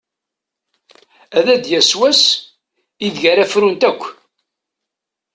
Ad d-yas wass ideg ara frunt akk.